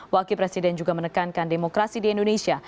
wakil presiden juga menekankan demokrasi di indonesia